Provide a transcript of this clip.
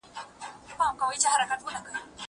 شګه پاکه کړه!!